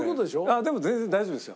でも全然大丈夫ですよ。